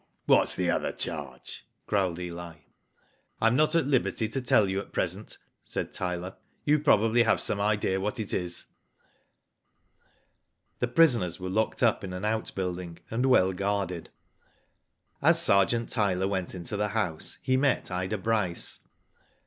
"What's the other charge?" growled Eli. " I am not at liberty to tell you at present," said Tyler. You probably have some idea what it is." The prisoners were locked up in an out build ing, and well guarded. Digitized byGaogk 178 WHO DID IT? As Sergeant Tyler went into the house, he met Ida Bryce.